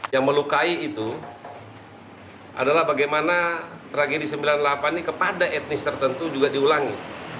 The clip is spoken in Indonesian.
yang melukai itu adalah bagaimana tragedi sembilan puluh delapan ini kepada etnis tertentu juga diulangi